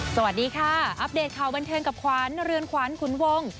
สวัสดีค่ะอัปเดตข่าวบันเทิงกับขวัญเรือนขวัญขุนวง